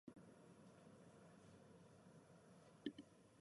These drugs are cell cycle-specific.